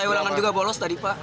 saya ulangan juga bolos tadi pak